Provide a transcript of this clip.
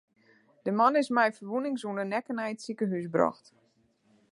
De man is mei ferwûnings oan de nekke nei it sikehûs brocht.